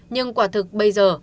nhưng quả thực bây giờ